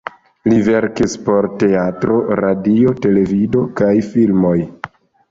Li verkis por teatro, radio, televido, kaj filmoj.